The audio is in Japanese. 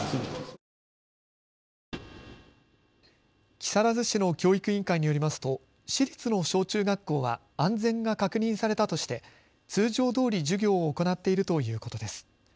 木更津市の教育委員会によりますと市立の小中学校は安全が確認されたとして通常どおり授業を行っているということです。